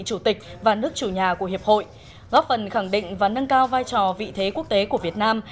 chủ tịch và nước chủ nhà của hiệp hội góp phần khẳng định và nâng cao vai trò vị thế quốc tế của việt nam